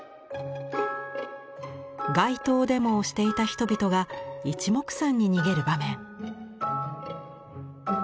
街頭デモをしていた人々がいちもくさんに逃げる場面。